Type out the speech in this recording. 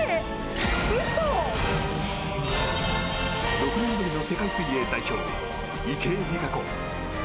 ６年ぶりの世界水泳代表池江璃花子。